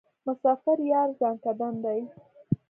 مسافر یار ځانکدن دی.